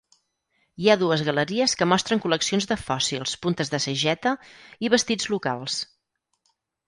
Hi ha dues galeries que mostren col·leccions de fòssils, puntes de sageta i vestits locals.